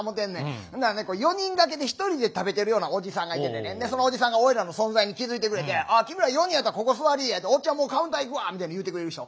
４人掛けで１人で食べてるようなおじさんがいててねでそのおじさんがオイラの存在に気付いてくれて君ら４人やったらここ座りいやおっちゃんもうカウンター行くわみたいに言うてくれる人。